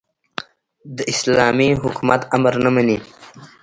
د اسلامي حکومت امر نه مني.